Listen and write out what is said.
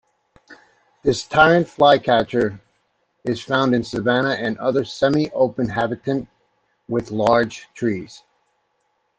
This tyrant flycatcher is found in savannah and other semi-open habitat with large trees.